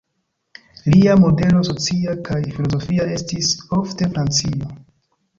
Lia modelo socia kaj filozofia estis ofte Francio.